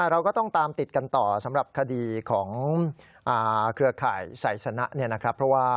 เราก็ต้องตามติดกันต่อสำหรับคดีของเครือข่ายไซสนะเนี่ยนะครับ